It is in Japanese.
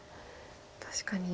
確かに。